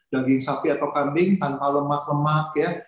daging sapi atau kambing tanpa lemak lemak ya